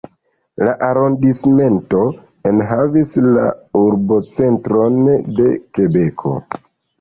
La arondismento enhavas la urbocentron de Kebeko.